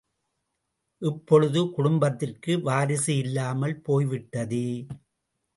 இப்பொழுது குடும்பத்திற்கு வாரிசு இல்லாமல் போய்விட்டதே.